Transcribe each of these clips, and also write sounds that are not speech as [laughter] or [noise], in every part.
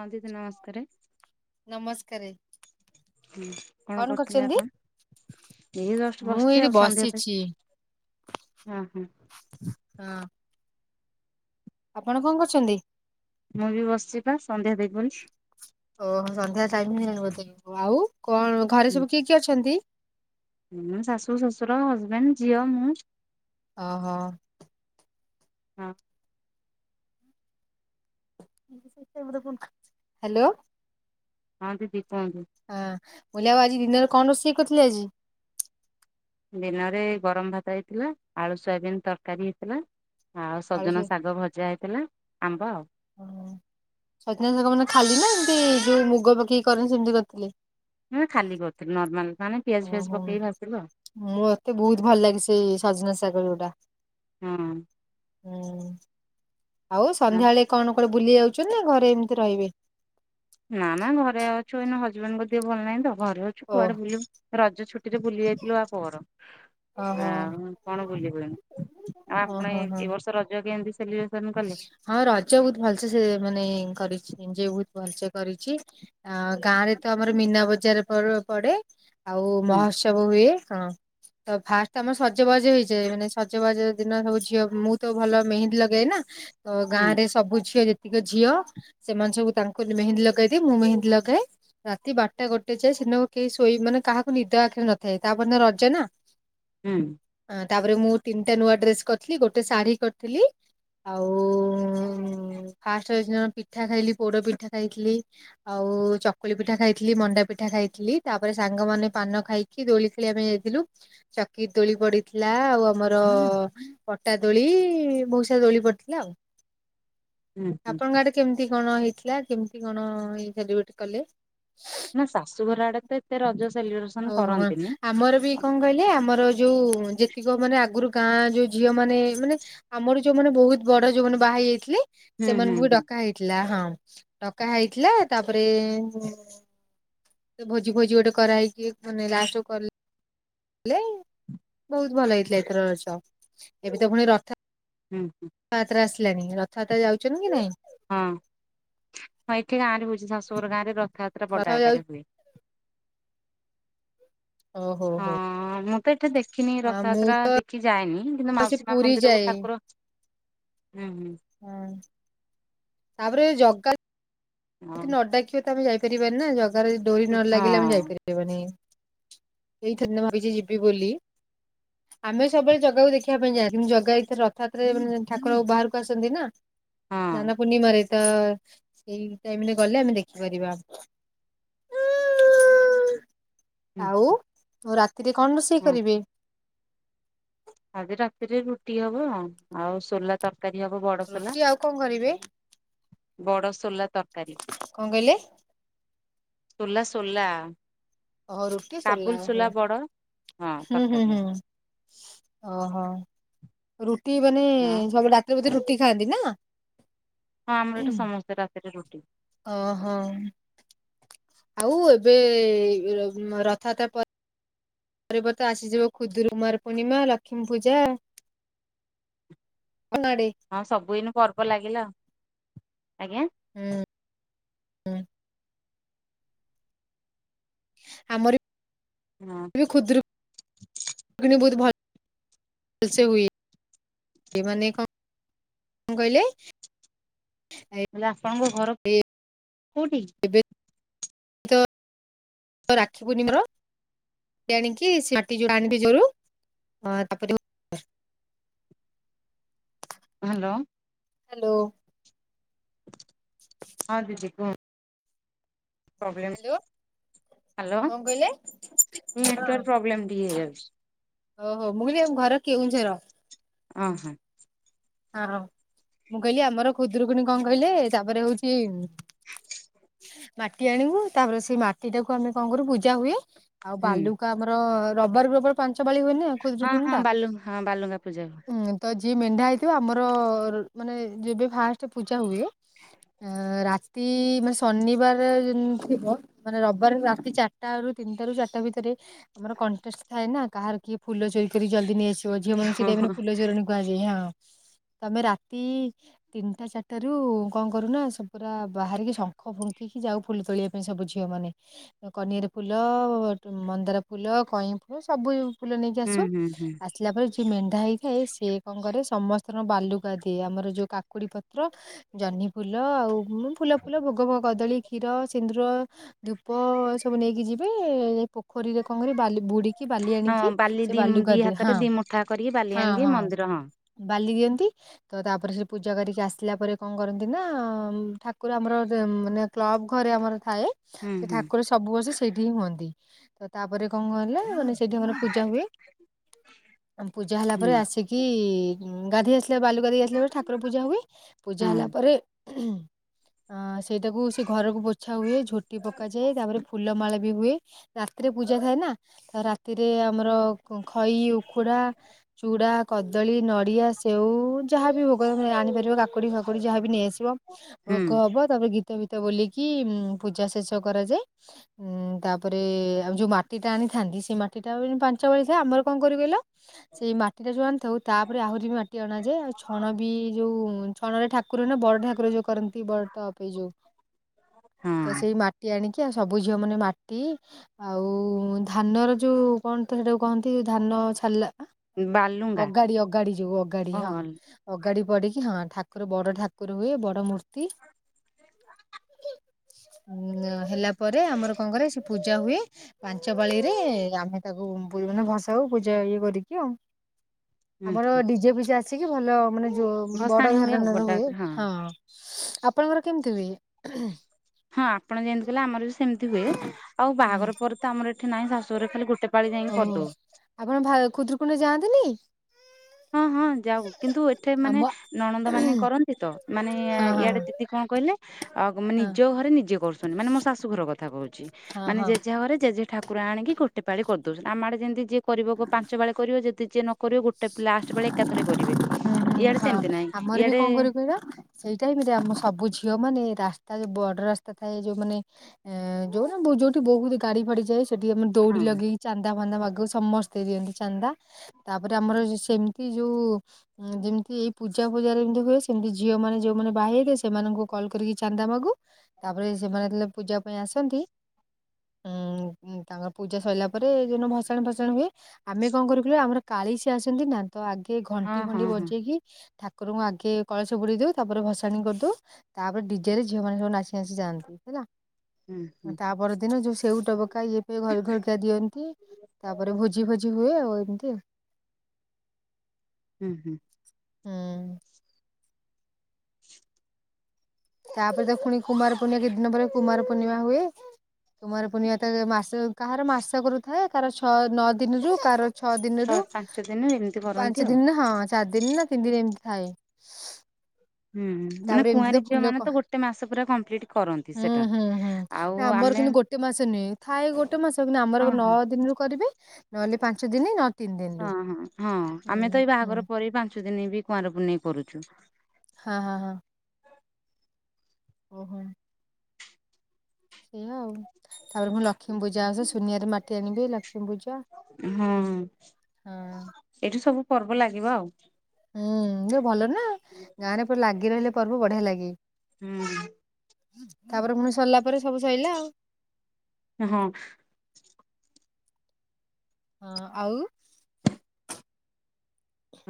ହଁ ଦିଦି ନମସ୍କାର। ନମସ୍କାରେ ହୁଁ କଣ କରୁଥିଲେ ଆପଣ? ଏ ଜଷ୍ଟ ମୁଁ ବସଚି ଏଇଠି ଆଉ ସନ୍ଧ୍ୟା ବସିଛି ତ ହଁ ହଁ। ହଁ। ଆପଣ କଁ କରୁଚନ୍ତି? ମୁଁ ବି ବସଚି ପା ସନ୍ଧ୍ୟା ଦେବି ବୋଲି। ଓହୋ ସନ୍ଧ୍ୟା ଟାଇମ ହେଇଗଲାଣି ବୋଧେ ଆଉ କଣ ଘରେ ସବୁ କିଏ କିଏ ଅଛନ୍ତି? ଉଁ ଶାଶୁ ଶଶୁର ହଜବେଣ୍ଡ ଝିଅ ମୁଁ। ଅହ। ହଁ। ହାଲୋ। ହଁ ଦିଦି କୁହନ୍ତୁ। ହା ମୁ କହିଲି ଆଜି ଦିନରେ କଣ ରୋଷେଇ କରିଥିଲେ ଆଜି? ଦିନରେ ଗରମ ଭାତ ହେଇଥିଲା ଆଳୁ ସୋୟାବିିନ ତରକାରୀ ହେଇଥିଲା। ଆଉ ଆଳୁ ସଜନା ସେ ଶାଗ ଭଜା ହେଇଥିଲା ଆମ୍ବ। ସଜନା ଶାଗ ମାନେ ଖାଲି ନା ଏମତି ଯୋଉ ମୁଗ ପକେଇକି କରେନ୍ତି ସେମିତି କରିଥିଲି? ମୁଁ ଖାଲି କରିଥିଲି ନର୍ମାଲ ମାନେ ପିଆଜ ଫିଆଜ ପକେଇକି ଭାଜିଥିଲ ଆଉ। ମୋତେ ବହୁତ ଭଲ ଲାଗେ ସେଇ ସଜନା ଶାଗ ଯୋଉଟା। ହୁଁ ହୁଁ ଆଉ ସନ୍ଧ୍ୟାବେଳେ କଣ କୁଆଡେ ବୁଲି ଯାଉଛନ୍ ନା ଘରେ ଏମିତି ରହିବେ? ନା ନା ଘରେ ଅଛୁ ଏଇନା ହଜବେଣ୍ଡଙ୍କ ଦେହ ଭଲ ନାହିଁ ତ ଘରେ ଅଛୁ ଓ କୁଆଡେ ବୁଲିବୁ ରଜ ଛୁ ଛୁଟିରେ ବୁଲି ଯାଇଥିଲୁ ବାପଘର। ଓହୋ। ଆଉ କଣ ବୁଲିବୁ ଆଉ ଆପଣ ଓହୋ ଏ ହୋ ଏ ବର୍ଷ ରଜ କେମିତି ସେଲିବ୍ରେସନ କଲେ? ହଁ ରଜ ବହୁତ ଭଲସେ ସେ ମାନେ କରିଚି ଏଞ୍ଜୟ୍ ବହୁତ ଭଲସେ କରିଚି। ଅ ଗାଁରେ ତ ଆମର ମୀନା ବଜାର ପ ପଡେ ଆଉ ହୁଁ ମହଉତ୍ସ ତ୍ସବ ହୁଏ ହଁ। ତ ଫାଷ୍ଟ ଆମର ସଜବାଜ ହେଇଯାଏ ମାନେ ସଜବାଜ ଦିନ ସବୁ ଝିଅ ମୁଁ ତ ଭଲ ମେହେନ୍ଦୀ ଲଗାଏ ନା। ତ ହୁଁ ଗାଁରେ ସବୁ ଝିଅ ଯେତିକ ଝିଅ ସେମାନେ ସବୁ ତାଙ୍କୁ ମେହେନ୍ଦୀ ଲଗାଇଦିଏ ମୁଁ ମେହେନ୍ଦୀ ଲଗାଏ। ରାତି ବାରଟା ଗୋଟେ ଯାଏ ସେଦିନ କେହି ଶୋଇ ମାନେ କାହାକୁ ନିଦ ଆଖିରେ ନଥାଏ ତାପରଦିନ ରଜ ନା। ହୁଁ। ହଁ ତାପରେ ମୁଁ ତିନିଟା ନୂଆ ଡ୍ରେସ୍ କରିଥିଲି ଗୋଟେ ଶାଢୀ କରିଥିଲି ଆଉ ହ ଫାଷ୍ଟ ରଜ ଦିନ ପିଠା ଖାଇଲିି ପୋଡ ପିଠା ଖାଇଥିଲି। ଆଉ ଚକୁଳି ପିଠା ଖାଇଥିଲି ମଣ୍ଡା ପିଠା ଖାଇଥିଲି ତାପରେ ସାଙ୍ଗମାନେ ପାନ ଖାଇ କି ଦୋଳି ଖେଳିବା ପାଇଁ ଯାଇଥିଲୁ। ଚକିରି ଦୋଳି ପଡ଼ିଥିଲା ଆଉ ଆମର ପଟା ଦୋଳି ବହୁ ସାରା ଦୋଳି ପଡ଼ିଥିଲା ଆଉ। ହୁଁ ହୁଁ ଆପଣଙ୍କ ଆଡେ କେମିତି କଣ ହେଇଥିଲା କେମିତି କଣ ସେଲିବ୍ରେଟ୍ କଲେ? ନା ଶାଶୁଘର ଆଡେ ତ ଏତେ ରଜ ସେଲିବ୍ରେସନ ଓହୋ। କରନ୍ତିନି‌। ଆମର ବି କଣ କହିଲେ ଆମର ଯୋଉ ଯେତିକ ମାନେ ଆଗରୁ ଗାଁ ଯୋଉ ଝିଅ ମାନେ ମାନେ ଆମର ଯୋଉମାନେ ବହୁତ ବଡ ଯୋଉମାନେ ବାହା ହେଇ ଯାଇଥିଲେ। ହୁଁ ହୁଁ ସେମାନଙ୍କୁ ବି ହୁଁ ଡକା ହେଇଥିଲା ହଁ ଡକା ହେଇଥିଲା ତାପରେ ସେ ଭୋଜି ଫୋଜି ଗୋଟେ କରାହେଇକି ମାନେ ଲାଷ୍ଟକୁ କଲେ। ବହୁତ ଭଲ ହେଇଥିଲା ଏଥର ରଜ ଏବେ ତ ପୁଣି ରଥ ହୁଁ। ରଥଯାତ୍ରା ଆସିଲାଣି ରଥଯାତ୍ରା ଯାଉଛନ୍ତି କି ନାଇଁ? ହଁ ହଁ ଏଠି ଗାଁରେ ହଉଛି ଶାଶୁଘର ଗାଁରେ ରଥଯାତ୍ରା ରଥ ବଡ଼ ଯାଉ ଆକାରରେ ହୁଏ। ଓ ହଉ ହଉ। ହଁ ମୁଁ ତ ଏଠି ଦେଖିନି ରଥଯାତ୍ରା ଦେଖି ଯାଏନି କିନ୍ତୁ ସେ ମାଉସୀ ମା ପୁରୀ ମନ୍ଦିରକୁ ଯାଏ। ଠାକୁର ହୁଁ ହୁଁ। ହଁ ତାପରେ ଜଗା ହଉ ଯଦି ନ ଡାକିବ ତମେ ଯାଇପାରିବନି ନା ଜାଗାର ଡୋରି ନ କିଛି ଲାଗିଲା ମାନେ ହଁ ଯାଇପାରିବନି। ଏଇ ଥର ତ ଭାବିଚି ଯିବି ବୋଲି। ଆମେ ସବୁବେଳେ ଜାଗାକୁ ଦେଖିବା ପାଇଁ ଯାଆନ୍ତି ଜାଗା ଏଇଥରେ ରଥଯାତ୍ରରେ ମାନେ ଠାକୁର ବାହାରକୁ ଆସନ୍ତି ନା। ହଁ ସ୍ନାନ ପୁର୍ଣିମାରେ ତ ଏଇ ଟାଇମରେ ଗଲେ ଆମେ ଦେଖିପାରିବା। ହୁଁ ଆଉ ହୁଁ। ଆଉ ରାତିରେ କଣ ରୋଷେଇ କରିବେ? ଆଜି ରାତିରେ ରୁଟି ହବ ଆଉ ସୋଲା ତରକାରୀ ହବ ବଡସୋଲା ରୁଟି ଆଉ କଣ କରିବେ ବଡସୋଲା ତରକାରୀ। କଣ କହିଲେ? ସୋଲା ସୋଲା। ଓହୋ ରୁଟି କାବୁଲ ସୋଲା ଓହୋ ବଡ ହଁ ହୁଁ ହୁଁ ତରକାରୀ ହବ ହୁଁ। ଓହୋ। ରୁଟି ମାନେ ହଁ ହଁ ସବୁ ରାତିରେ ବୋଧେ ରୁଟି ଖାଆନ୍ତି ନା? ହଁ ଆମର ଏଟି ସମସ୍ତେ ରାତିରେ ରୁଟି। ଅଂ ହଁ। ଆଉ ଏବେ ବୁ ରଥଯାତ୍ରା ପର୍ ପରେ ପରେ ଆସିଯିବ ଖୁଦ୍ରରୁ କୁମାର ପୂର୍ଣିମା ଲକ୍ଷ୍ମୀ ପୂଜା। ଅନଡ଼ି ହଁ ସବୁଏଇନେ ପର୍ବ ଲାଗିଲା। ଆଜ୍ଞା ହୁଁ ହୁଁ। ଆମରି ହଁ। ଖୁଦୁରୁକୁଣି ଵହୁତ୍ ଭଲ ଭଲ୍ ସେ ହୁଏ ମାନେ କଂ କଇଲେ? ମୁ କଲି ଆପଣଙ୍କ ଘର କୋଉଠି? [unintelligible] ରାକ୍ଷିପୁନିମାର। [unintelligible] ହାଲୋ। ହ୍ୟାଲୋ। ହଁ ଦିଦୀ କୁହ ପ୍ରୋବ୍ଲେମ୍ ହ୍ୟାଲୋ ହାଲୋ କଣ କହିଲେ ନେଟିୱାର୍କ ହଁ ପ୍ରୋବ୍ଲେମ୍ ଟିକେ ହେଇଯାଉଚି। ଓହୋ ମୁଁକଇଲି ଆମ ଘର କେଉଁଝର। ଅ ହଁ। ହଁ ହଁ ମୁଁ କହିଲି ଆମର ଖୁଦରୁକୁଣୀ କଣ କହିଲେ ତାପରେ ହଉଛି ମାଟି ଆଣିବୁ, ତାପରେ ସେଇ ମାଟି ଟାକୁ ଆମେ କଣ କରିବୁ ପୂଜା ହୁଏ ଆଉ ହୁଁ ବାଲୁକା ଆମର ରବାରକୁ ରବାର ପାଞ୍ଚ ପାଳି ହୁଏନା? ହଁ ହଁ ଖୁଦରୁକୁଣିଟା ବାଲୁ ହଁ ବାଲୁଙ୍ଗା ପୂଜା ହୁଏ। ଉଁ ତ ଯିଏ ମେଣ୍ଢା ହେଇଥିବ ଆମର ମାନେ ଯେବେ ଫାଷ୍ଟ ପୂଜା ହୁଏ ଅ ରାତି ମାନେ ଶନିବାର ଯେନ୍‌ ଥିବ ମାନେ ରବିବାର ରାତି ଚାରଟାରୁ ତିନିଟାରୁ ଚାରଟା ଭିତରେ ଆମର କଣ୍ଟେଷ୍ଟ ଥାଏ ନା କାହାର କିଏ ଫୁଲ ଚୋରି କରି ଜଲଦି ନେଇଆସି ସିବ। ଝିଅ ମାନଙ୍କୁ ସେଇ ହଁ ଟାଇମରେ ହଁ ଫୁଲ ଚୋରଣୀ କୁହାଯାଏ ହଁ। ତମେ ରାତି ତିନିଟା ଚାରିଟାରୁ କଣ କରୁନା ସବୁ ପୁରା ବାହାରିକି ଶଙ୍ଖ ଫୁଙ୍କିକି ଯାଉ ଫୁଲ ତୋଳିବା ପାଇଁ ସବୁ ଝିଅ ମାନେ। କନିଆର ଫୁଲ ମନ୍ଦାର ଫୁଲ କଇଁ ଫୁଲ ସବୁ ଫୁଲ ନେଇକି ହୁଁ ଆସୁ। ହୁଁ ହୁଁ ଆସିଲା ପରେ ଯିଏ ମେଣ୍ଢା ହେଇଥାଏ ସିଏ କଣ କରେ ସମସ୍ତଙ୍କର ବାଲୁକା ଦିଏ ଆମର ଯୋଉ କାକୁଡି ପତ୍ର ଜହ୍ନି ଫୁଲ ଆଉ ମୁଁ ଫୁଲ ଫୁଲ ଭୋଗ ଫୋଗ କଦଳୀ କ୍ଷୀର ସିନ୍ଦୁର ଧୂପ ସବୁ ନେଇକି ଯିବେ ଯାଇ ପୋ ଖୋରିରେ କଣ କରିବେ, ବାଲି ବୁଡିକି ବାଲି ହଁ ଆଣିକି ବାଲି ସେ ଦି ବାଲୁକା ଦି ଦିଏ। ହାତରେ ହଁ ଦି ମୁଠା କରିକି ବାଲି ହଁ ଆଣିକି ହଁ ମନ୍ଦିର ବାଲି ଦିଅନ୍ତି ତ ତାପରେ ସେ ପୂଜା କରିକି ଆସିଲା ପରେ କଣ କରନ୍ତି ନା ଠାକୁର ଆମର ଦେ ମାନେ କ୍ଲବ ଘରେ ଆମର ଥାଏ। ହୁଁ ସେ ହୁଁ ଠାକୁର ସବୁ ବର୍ଷ ସେଇଠି ହିଁ ହୁଅନ୍ତି ତ ତାପରେ କଣ କହିଲେ ମାନେ ସେଇଠି ଆମର ପୂଜା ହୁଏ ଆମ ପୂଜା ହେଲା ପରେ ହୁଁ ଆସିକି କି ଗାଧେଇ ଆସିଲା ବାଲୁକା ଦେଇ ଆସିଲା ପରେ ଠାକୁର ପୂଜା ହୁଏ ପୂଜା ହଁ ହେଲା ପରେ ଅ ସେଇଟାକୁ ସେ ଘରକୁ ପୋଛା ହୁଏ ଝୋଟି ପକାଯାଏ ତାପରେ ଫୁଲମାଳ ବି ହୁଏ। ରାତିରେ ପୂଜା ଥାଏ ନା ତ ରାତିରେ ଆମର ଖଇ ଉଖୁଡା ଚୁଡା କଦଳୀ। ଡ଼ିଆ ସେଉ ଯାହାବି ଭୋଗ ତମେ ଆଣିପାରିବ କାକୁଡ଼ି ଫାକୁଡ଼ି ଯାହାବି ନେଇଆସିବ। ହୁଁ ଭୋଗ ହବ ତାପରେ ଗୀତ ଫିତ ବୋଲିକି ପୂଜା ଶେଷ କରାଯାଏ। ଉଁ ତାପରେ ଆଉ ଯୋଉ ମାଟି ଟା ଆଣିଥାନ୍ତି ସେ ମାଟି ଟା ପାଞ୍ଚ ଭଳିଥାଏ ଆମର କଣ କରୁ କହିଲ? ସେଇ ମାଟି ଟା ଯଉ ଆଣିଥାଉ ତାପରେ ଆହୁରି ବି ମାଟି ଅଣାଯାଏ ଆଉ ଛଣ ବି ଯୋଉ ଛଣରେ ଠାକୁର ନା ବଡ ଠାକୁର ଯୋଉ କରନ୍ତି ବଡ଼ ଟପଇ ଯୋଉ ତ ସେଇ ହଁ ମା ଟି ଆଣିକି ଆଉ ସବୁ ଝିଅ ମାନେ ମାଟି। ଆଉ ଧାନର ଯୋଉ କଣ ତ ସେଟାକୁ କହନ୍ତି ଧାନ ଛାଡିଲା ନା। ବାଲୁଙ୍ଗା। ଅଡି ଯୋଉ ଅଗାଡି ହଁ ଓହୋ ଅଗାଡି ପଡିକି ହଁ ଠାକୁର ବଡ ଠାକୁର ହୁଏ ବଡ ମୂର୍ତ୍ତି। ଉ ହେଲା ପରେ ଆମର କଣ କରେ ସେ ପୂଜା ହୁଏ। ପାଞ୍ଚ ପାଳି ରେ ଆମେ ତାକୁ ପୁର ମାନେ ଭସାଉ ପୂଜା ଇଏ କରିକି ଆଉ। ଆମର ଡିଜେ ଫିଜେ ଆସିକି ଭଲ ମାନେ ଯଉ ବଡ ଭସାଣି ହୁଏ ଆଉ ଧରଣର ବଡ ହୁଏ ଆକାରରେ ହଁ। ଆପଣଙ୍କର କେମିତି ହୁଏ? ହଁ ଆପଣ ଯେମିତି କହିଲେ ଆମର ବି ସେମିତି ହୁଏ ଆଉ ହୁଁ ବାହାଘର ପରେ ତ ଆମର ଏଠି ନାଇଁ ଶାଶୁଘରେ ଖାଲି ଗୋଟେ ପାଳି ଯାଇକି ଓହୋ କରିଦଉ। ଆପଣ ଖୁଦରୁକୁଣି ଯାଆନ୍ତିନି? ହଁ ହଁ ଯାଉ କିନ୍ତୁ ଏଠେ ମାନେ ଆମ ନଣନ୍ଦ ହଁ ମାନେ କରନ୍ତି ତ ମାନେ ହଁ ହଁ ଇଆଡେ ଦିଦି କଣ କହିଲେ ଆଉ ହଁ ନିଜ ଘରେ ନିଜେ କରୁଛନ୍ତି ମାନେ ମୋ ଶଶୁ ଘର କଥା କହୁଛି ହଁ ମାନେ ହଁ। ଜେଝା ଘରେ ଜେଝା ଠାକୁ କୁର ଆଣିକି ଗୋଟେ ପାଳି କରିଦେଉଛନ୍ତି ଆମ ଆଡ଼େ ଯେମିତି ଯିଏ କରିବ ପାଞ୍ଚ ପାଳି କରିବ ଯଦି ଯିଏ ନ କରିବ ଗୋ ଲାଷ୍ଟ ପାଳି ଏକାଥରେ କରିବେ। ଉଁ ହୁଁ ଇଆଡେ ହଁ ସେମିତି ନାହିଁ ଆମର ବି ଇଆଡେ କଣ କରିବୁ କହିଲ? ସେଇ ଟାଇମରେ ଆମ ସବୁ ଝିଅ ମାନେ ରାସ୍ତା ବଡ ରାସ୍ତା ଥାଏ ଯୋଉମାନେ ଏ ଯୋଉ ଯୋଉଠି ବହୁତ ଗାଡି ଫାଡି ଯାଏ ସେଠି ଆମେ ହଁ ଦଉଡି ଲଗେଇ ଚାନ୍ଦା ଫାନ୍ଦା ମାଗୁ ସମସ୍ତେ ଦିଅନ୍ତି ଚାନ୍ଦା। ତାପରେ ଆମର ସେମତି ଯୋଉ ଯେମ ତି ଏଇ ପୂଜା ଫୂଜା ଯେମତି ହୁଏ ସେମତି ଝିଅ ମାନେ ଯୋଉମାନେ ବାହହେଇ ଥି ସେମାନଙ୍କୁ କଲ୍ କରିକି ଚାନ୍ଦା ମାଗୁ। ତାପରେ ସେମାନେ ଯେତେବେଳେ ପୂଜା ପାଇଁ ଆସନ୍ତି। ଉଁ ତାଙ୍କର ପୂଜା ସଇଲା ପରେ ଯୋଉ ଦିନ ଭସାଣି ଫସାଣି ହୁଏ। ଆମେ କଣ କରୁ କହିଲୁ ଆମର କାଳିସି ଆସନ୍ତି ନା ତ ଆଗେ ହଁ ଘଣ୍ଟି ଫଣ୍ଟି ହଁ ହଁ ବଜେଇକି ଠାକୁରଙ୍କୁ ଆଗେ କଳସ ବୁଡ଼େଇ ଦଉ ତାପରେ ଭସାଣି କରିଦଉ। ତାପରେ ଡିଜେ ରେ ଝିଅ ମାନେ ସବୁ ନାଚି ନାଚି ଯାଆନ୍ତି ହେଲା ହୁଁ ହୁଁ। ତାପର ଦିନ ଯୋଉ ସେଉ ଟବ କା ଇଏ ଫିଏ ଘରେ ଘରିକି ଦିଅନ୍ତି ତାପରେ ଭୋଜି ଫୋଜି ହୁଏ ଆଉ ଏମିତି। ହୁଁ ହୁଁ। ହୁଁ। ତାପରେ ତ ପୁଣି କୁମାର ପୂର୍ଣିମା କି ଦିନ ପରେ କୁମାର ପର୍ଣିମା ହୁଏ। କୁମାର ପୂର୍ଣ୍ଣିମା ତ ମାସ କାହାର ମାସ କରୁଥାଏ କାହାର ଛଅ ନଅ ଦିନରୁ କାହାର ଛଅ ଦିନରୁ ପାଞ୍ଚ ଦିନ ଏମିତି କରନ୍ତି ପାଞ୍ଚ ଆଉ। ଦିନ ହଁ ଚାରି ଦିନ ନା ତିନି ଦିନ ଏମିତି ଥାଏ। ହୁଁ ମାନେ ତାପରେ ଏମିତି ତ କୁଆଁରି ଝିଅ ଫୁଲ ମାନେ କ ତ ଗୋଟ ଗୋଟେ ମାସ ପୁରା କମ୍ପ୍ଲିଟ୍ କରନ୍ତି ହୁଁ ସେଇଟା ହୁଁ ହୁଁ ନା ଆଉ ଆମର ଆମେ। କିନ୍ତୁ ଗୋଟେ ମାସ ନୁହେ ଥାଏ ଗୋଟେ ମାସ ଆମର ହଁ ନଅ ହଁ ଦିନରୁ କରିବେ ନହେଲେ ପାଞ୍ଚ ଦିନ ନ ତିନି ଦିନରୁ। ହଁ ହଁ ହଁ ହୁଁ ଆମେ ତ ଏଇ ହୁଁ ବାହାଘର ପୃ ପାଞ୍ଚ ଦିନ ବି କୁଆଁରପୁନେଇ କରୁଛୁ। ହଁ ହଁ ହଁ। ଓହୋ। ସେଇଆ ଆଉ ତାପରେ ପୁଣି ଲକ୍ଷ୍ମୀ ପୂଜା ଅଛି ସୁନିଆରେ ମାଟି ଆଣିବି ଲକ୍ଷ୍ମୀ ପୂଜା। ହୁ ହଁ ଏଇଠୁ ସବୁ ପର୍ବ ଲାଗିବ ଆଉ। ହୁଁ ଯୋଉ ଭଲ ନା ଗାଁ ରେ ଲାଗି ରହିଲେ ପର୍ବ ବଢିଆ ଲାଗେ। ହୁଁ। ତାପରେ ପୁଣି ସରିଲା ପରେ ସବୁ ସରିଲା ଆଉ। ହଁ। ହଁ ଆଉ।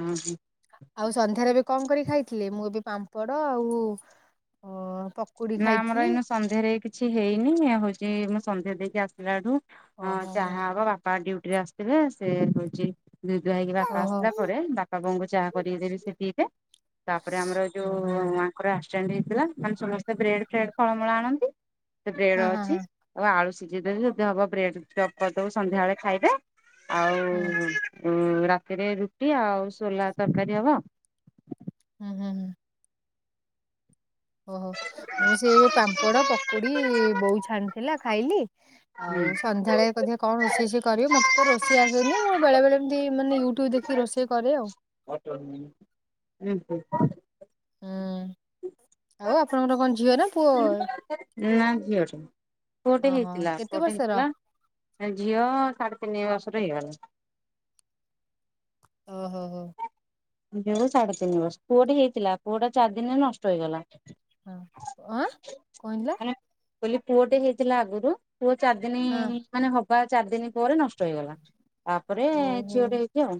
ଉ ହୁ। ଆଉ ସନ୍ଧ୍ୟାରେ ଏବେ କଣ କରି ଖାଇଥିଲି ମୁଁ ଏବେ ପାମ୍ପଡ଼ ଆଉ ଅ। ପକୁଡି ନା ଆମର ଖାଇଥିଲି ଏଇନୁ ସନ୍ଧ୍ୟାରେ କିଛି ହେଇନି ହଉଛି ମୁଁ ସନ୍ଧ୍ୟା ଦେଇକି ଆସିଲାଠୁ। ହଁ ଓହୋ ହୋ ଚାହା ହବ ବାପା ଡିୟୁଟି ରେ ଆସିଥିବେ ସେ ହଉଛି। ଦୋଇ ଦୁଆ ହେଇକି ବାପା ଓହୋ ଆସିଲା ପରେ ବାପା ବୋଉଙ୍କୁ ଚାହା କରିକି ଦେବି ସେ ପିଇବେ। ତାପରେ ଆମର ହୁଁ ହୁଁ ଯୋଉ ଆଙ୍କର ଆକ୍ସିଣ୍ଡେଡ ହେଇଥିଲା ମାନେ ସମସ୍ତେ। ସେ ବ୍ରେଡ ଫ୍ରେଡ ଫଳମୂଳ ଆଣନ୍ତି ସେ ହଁ ବ୍ରେଡ ହଁ ଅଛି। ହଁ ଆଉ ଆଳୁ ସିଝେଇ ଦେବି ଯଦି ହବ ବ୍ରେଡ ଚପ କରିଦେବି ସନ୍ଧ୍ୟାବେଳେ ଖାଇବେ ହୁଁ ଆଉ। ଉ ରାତିରେ ରୁଟି ଆଉ ସୋଲା ତରକାରୀ ହବ। ହୁଁ ହୁଁ ହୁଁ। ଓହୋ ମୁଁ ସେ ଏବେ ପାମ୍ପଡ ପକୁଡି ବୋଉ ଛାଣିଥିଲା ଖାଇଲି। ହୁଁ। ଆଉ ସନ୍ଧ୍ୟାବେଳେ କଣ ରଷେଇ ସେ କରିବ ମତେ ତ ରୋଷ ଆସେନି ମୁଁ ବେଳେବେଳେ ଏମିତି ମାନେ ୟୁଟ୍ୟୁବ ଦେଖି ରୋଷେଇ କରେ ଆଉ। ଅଟ। [unintelligible] ହୁଁ ଆଉ ଆପଣଙ୍କର କଣ ଝିଅ ନା ପୁଅ। ନା ଝିଅ ଟେ ପୁଅଟେ ଓହୋ ହେଇଥିଲା କେତେ ପୁଅଟେ ବର୍ଷର? ହେଇଥିଲା। ଝିଅ ସାଢେ ତିନି ବର୍ଷର ହେଇଗଲା। ଓ ହୋ ହୋ। ଝିଅ କୁ ସାଢେ ତିନି ବର୍ଷ ପୁଅଟେ ହେଇଥିଲା ପୁଅଟା ଚାରି ଦିନରେ ନଷ୍ଟ ହେଇଗଲା। କଣ କଣ ହେଇଥିଲା। ମାନେ କହିଲି ପୁଅ ଟେ ହେଇଥିଲା ଆଗରୁ ପୁଅ ଚାରିଦିନ ମାନେ ହବା ଚାରି ଦିନ ପରେ ନଷ୍ଟ ହେଇଗଲା ତାପରେ ଝିଅଟେ ହେଇଛି ଆଉ।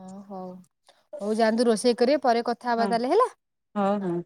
ଓ ହଉ ହଉ ଯାଆନ୍ତୁ ରୋଷେଇ କରିବା ପରେ କଥା ହବା ତାହେଲେ ହେଲା। ହଁ ହଁ।